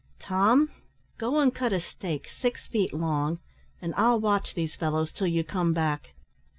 "Tom, go and cut a stake six feet long, and I'll watch these fellows till you come back."